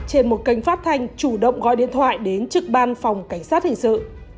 trên một kênh phát thanh chủ động gọi điện thoại đến trực ban phòng cảnh sát hình sự